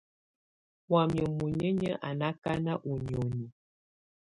Wamɛ̀á muninyǝ́ á nà akanà ù nioni.